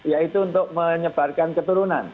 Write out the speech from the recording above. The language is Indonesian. yaitu untuk menyebarkan keturunan